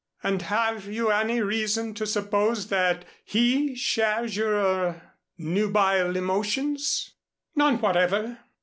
"And have you any reason to suppose that he shares your er nubile emotions?" "None whatever.